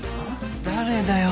誰だよ